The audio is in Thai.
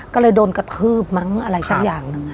ก็เลยโดนกระทืบมั้งอะไรสักอย่างหนึ่ง